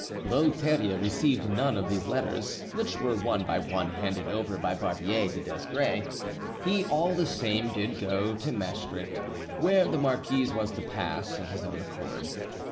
Though Theria received none of these letters, which were one by one handed over by Barbier to Desgrais, he all the same did go to Maestricht, where the marquise was to pass, of his own accord.